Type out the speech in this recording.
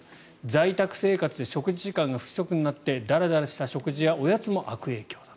在宅生活で食事時間が不規則になってだらだらした食事やおやつも悪影響に。